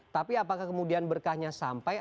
tapi apakah kemudian berkahnya sampai